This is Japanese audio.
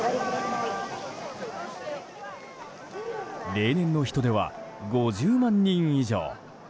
例年の人出は５０万人以上。